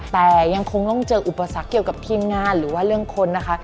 แต่ยังคงต้องเจออุปสรรคเกี่ยวกับทีมงานหรือว่าเรื่องคนนะคะ